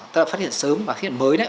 tức là phát hiện sớm và phát hiện mới